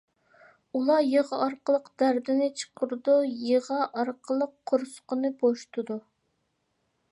ئۇلار يىغا ئارقىلىق دەردىنى چىقىرىدۇ، يىغا ئارقىلىق قورسىقىنى بوشىتىدۇ.